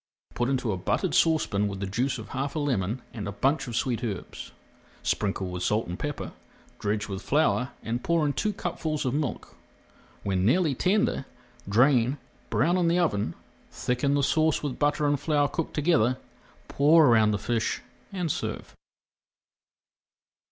Put into a buttered saucepan with the juice of half a lemon and a bunch of sweet herbs. Sprinkle with salt and pepper, dredge with flour, and pour in two cupfuls of milk. When nearly tender, drain, brown in the oven, thicken the sauce with butter and flour cooked together, pour around the fish and serve.